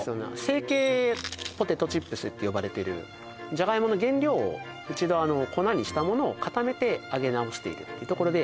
成型ポテトチップスって呼ばれてるじゃがいもの原料を一度あの粉にしたものを固めて揚げ直しているってところで